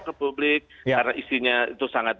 ke publik karena isinya itu sangat